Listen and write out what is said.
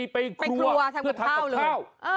เพื่อทำกับข้าว